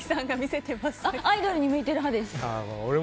アイドルに向いてる歯です。